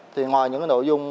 thì ngoài những nội dung